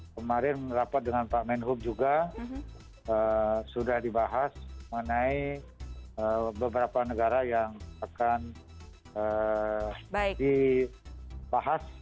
kemarin rapat dengan pak menhub juga sudah dibahas mengenai beberapa negara yang akan dibahas